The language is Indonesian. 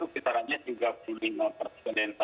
namun dari beberapa studi yang dilakukan serta